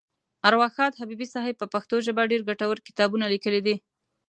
اروا ښاد حبیبي صاحب په پښتو ژبه ډېر ګټور کتابونه لیکلي دي.